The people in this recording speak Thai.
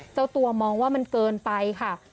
เจ้าตัวมองว่ามันเกินไปค่ะ